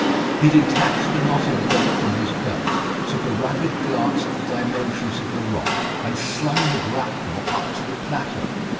He detached the knotted rope from his belt, took a rapid glance at the dimensions of the rock, and slung the grapnel up to the plateau.